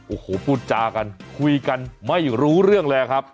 โอ้โหพูดจากันคุยกันไม่รู้เรื่องเลยครับ